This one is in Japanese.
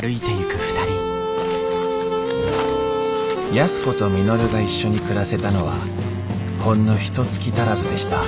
安子と稔が一緒に暮らせたのはほんのひとつき足らずでした。